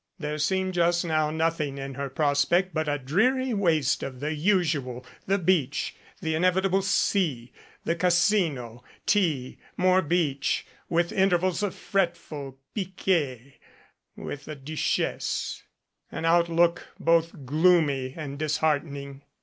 There seemed just now nothing in her prospect but a dreary waste of the usual the beach, the inevitable sea, the Casino, tea, more beach, with intervals of fretful piquet with the Duchesse, an outlook both gloomy and disheartening.